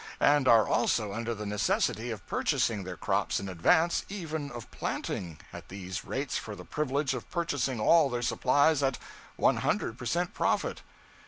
and are also under the necessity of purchasing their crops in advance even of planting, at these rates, for the privilege of purchasing all their supplies at 100 per cent. profit?'